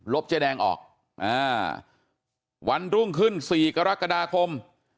เจ๊แดงออกอ่าวันรุ่งขึ้น๔กรกฎาคม